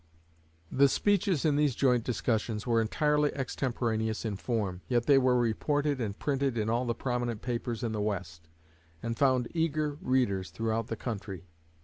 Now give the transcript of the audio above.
The speeches in these joint discussions were entirely extemporaneous in form, yet they were reported and printed in all the prominent papers in the West, and found eager readers throughout the country.